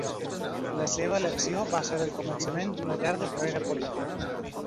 La seva elecció va ser el començament d'una llarga carrera política.